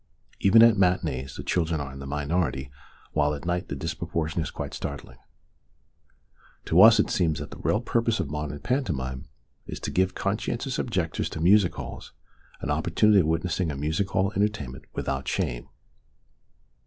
Even at matinees the children are in the minority, while at night the dispro portion is quite startling. To us it seems that the real purpose of modern pantomime is to give conscientious objectors to music halls an opportunity of witnessing a music hall entertainment without shame.